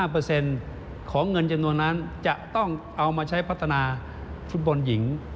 ๑๕เปอร์เซ็นต์ของเงินจำนวนนั้นจะต้องเอามาใช้พัฒนาฟุตบอลหญิง